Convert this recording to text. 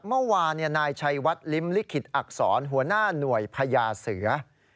เมื่อวานนายชัยวัดลิ้มลิขิตอักษรหัวหน้าหน่วยพญาเสือ